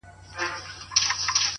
o تا ولي په سوالونو کي سوالونه لټوله ؛